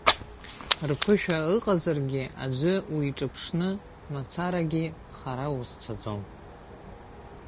Рԥышәа ыҟазаргьы, аӡәы уиҿыԥшны мацарагьы хара узцаӡом.